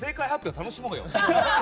楽しもうよ。